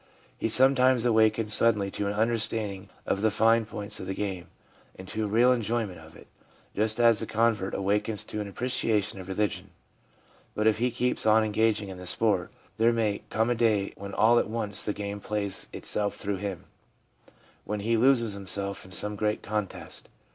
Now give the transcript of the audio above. He sometimes awakens suddenly to an understanding of the fine points of the game, and to a real enjoyment of it, just as the convert awakens to an appreciation of religion. But if he keeps on engaging in the sport, there may come a day when all at once the game plays itself through him — when he loses himself in some great contest.